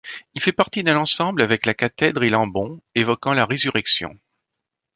Il fait partie d'un ensemble avec la cathèdre et l'ambon, évoquant la Résurrection.